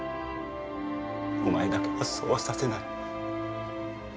お前だけはそうはさせない。